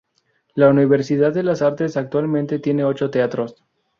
La Universidad de las Artes actualmente tiene ocho teatros.